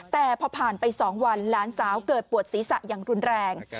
แต่พอผ่านไป๒วันหลานสาวเกิดปวดศีรษะอย่างรุนแรง